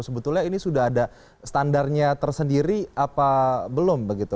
sebetulnya ini sudah ada standarnya tersendiri apa belum begitu